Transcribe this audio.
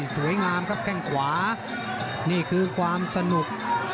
สวยงามครับแข้งขวานี่คือความสนุก